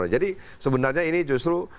jadi sebenarnya ini justru